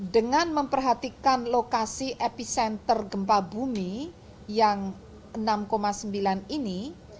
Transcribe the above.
dengan memperhatikan lokasi epicenter gempa bumi yang enam sembilan ini